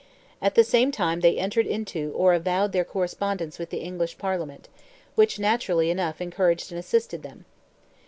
At the same time they entered into or avowed their correspondence with the English Parliament, which naturally enough encouraged and assisted them.